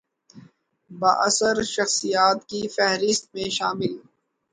بااثر شخصیات کی فہرست میں شامل